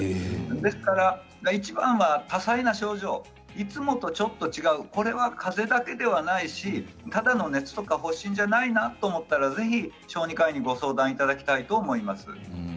ですからいちばんは多彩な症状、いつもとちょっと違う、これはかぜだけではないしただの熱や発疹じゃないなと思ったら、ぜひ小児科医にご相談いただきたいと思います。